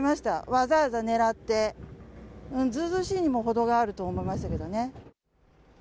わざわざ狙って、うん、ずうずうしいにも程があると思いましたけどね。